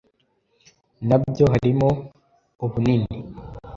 Na byo harimo ubunini